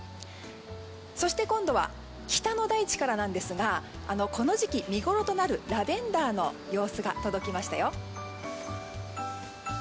そして今度は北の大地からなんですがこの時期見ごろとなるラベンダーの様子が届きましたよ。